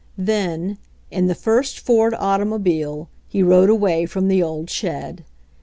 Then, in the first Ford automobile, he rode away from the old shed.